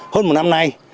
hơn một năm nay